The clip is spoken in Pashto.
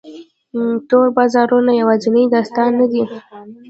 تور بازارونه یوازینی داستان نه دی.